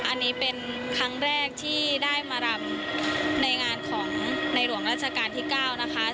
อันนี้เป็นครั้งแรกที่ได้มารำในงานของในหลวงราชการที่๙นะคะ